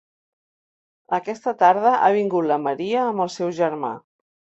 Aquesta tarda ha vingut la Maria amb el seu germà.